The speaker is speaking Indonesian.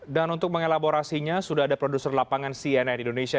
dan untuk mengelaborasinya sudah ada produser lapangan cnn indonesia